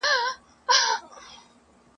پښې او غاړي په تارونو کي تړلي !.